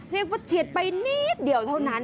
เรียกว่าเฉียดไปนิดเดียวเท่านั้น